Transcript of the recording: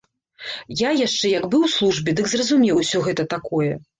Я яшчэ як быў у службе, дык зразумеў усё гэта такое.